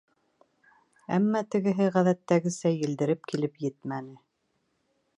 Әммә тегеһе, ғәҙәттәгесә, елдереп килеп етмәне.